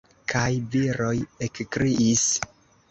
Kaj viroj ekkriis.